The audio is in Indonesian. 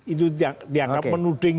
itu dianggap menuding